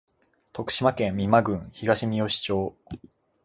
徳島県美馬郡東みよし町